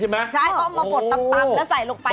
ใช่ก็มันมีบดต่ำแล้วใส่ลงไป